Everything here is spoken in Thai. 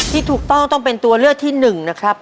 ที่ถูกต้องต้องเป็นตัวเลือกที่หนึ่งนะครับ